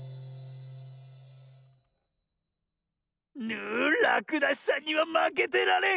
ぬらくだしさんにはまけてられん！